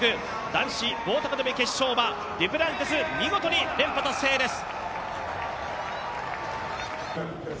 男子棒高跳決勝はデュプランティス、見事に連覇達成です。